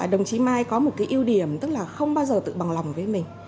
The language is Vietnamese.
đồng chí mai có một cái ưu điểm tức là không bao giờ tự bằng lòng với mình